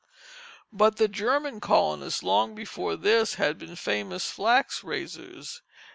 But the German colonists long before this had been famous flax raisers.